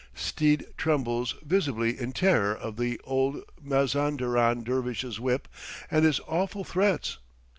steed trembles visibly in terror of the old Mazanderan dervish's whip and his awful threats.